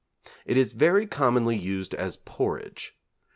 It is very commonly used as porridge.